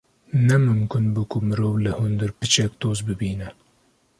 ’’Ne mimkun bû ku mirov li hundir piçek toz bibîne.